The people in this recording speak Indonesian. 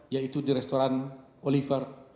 yaitu di restoran oliver